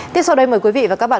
tiếp sau đây mời quý vị và các bạn